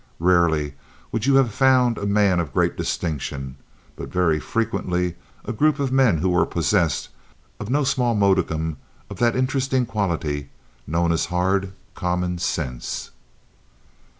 Rarely would you have found a man of great distinction; but very frequently a group of men who were possessed of no small modicum of that interesting quality known as hard common sense.